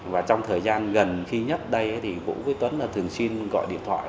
và trong thời gian gần khi nhất đây thì vũ với tuấn là thường xin gọi điện thoại